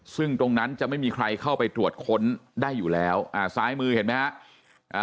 ซึ่งตรงนั้นจะไม่มีใครเข้าไปตรวจค้นได้อยู่แล้วอ่าซ้ายมือเห็นไหมฮะอ่า